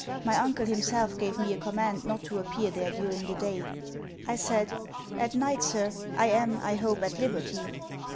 My uncle himself gave me a command not to appear there during the day. I said, 'At night, Sir, I am I hope at liberty.'